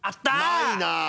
ないなぁ。